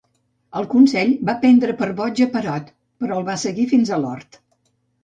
El Consell va prendre per boig a Perot, però el va seguir fins a l'hort.